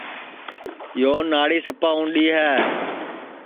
یو ناݪی سپا اُںٚڈؔی ہے